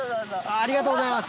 ありがとうございます。